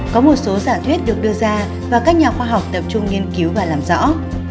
có một số giả thuyết được đưa ra và các nhà khoa học tập trung nghiên cứu và làm rõ